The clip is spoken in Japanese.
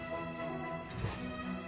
うん。